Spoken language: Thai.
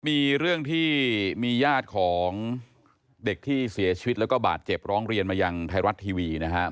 มีเรื่องที่มีญาติของเด็กที่เสียชีวิตแล้วก็บาดเจ็บร้องเรียนมายังไทยรัฐทีวีนะครับ